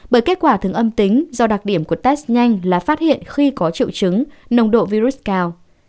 bởi kết quả thường âm tính do đặc điểm của test nhanh là phát hiện khi có triệu chứng nồng độ virus cao